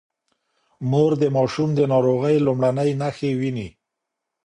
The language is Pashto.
مور د ماشوم د ناروغۍ لومړنۍ نښې ويني.